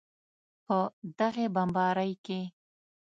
په دغې بیمارۍ کې